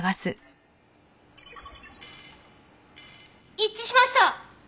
一致しました！